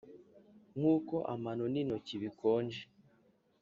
nkuko amano n'intoki bikonje.